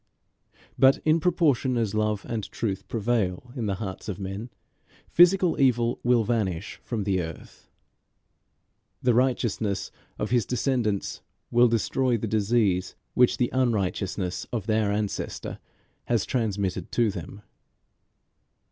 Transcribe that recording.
But in proportion as love and truth prevail in the hearts of men, physical evil will vanish from the earth. The righteousness of his descendants will destroy the disease which the unrighteousness of their ancestor has transmitted to them.